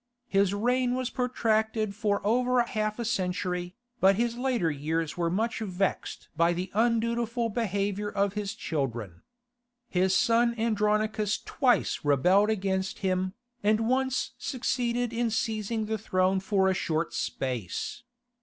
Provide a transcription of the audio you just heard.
His reign was protracted for over half a century, but his later years were much vexed by the undutiful behaviour of his children. His son Andronicus twice rebelled against him, and once succeeded in seizing the throne for a short space.